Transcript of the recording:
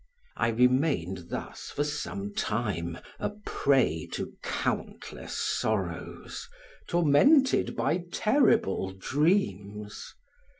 I remained thus for some time a prey to countless sorrows, tormented by terrible dreams.